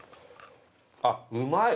あっうまい。